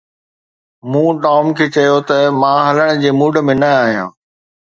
مون ٽام کي چيو ته مان هلڻ جي موڊ ۾ نه آهيان